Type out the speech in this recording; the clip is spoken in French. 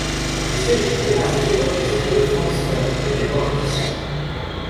Le Seuil publiera à cette époque les écrits de Frantz Fanon et d'Edouard Glissant.